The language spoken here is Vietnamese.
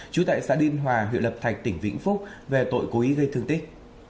trú tại xã đinh hòa huyện lập thạch tỉnh bình phước về tội cố ý gây thương tích